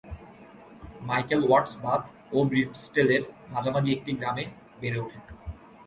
Michael Watts Bath ও ব্রিস্টলের মাঝামাঝি একটি গ্রামে বেড়ে ওঠেন।